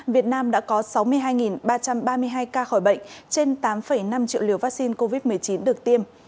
việt nam đã có sáu mươi hai ba trăm ba mươi hai ca khỏi bệnh trên tám năm triệu liều vaccine covid một mươi chín được tiêm